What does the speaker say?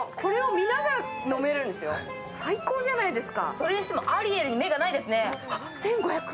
それにしてもアリエルに目がないですね。